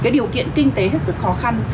điều kiện kinh tế rất khó khăn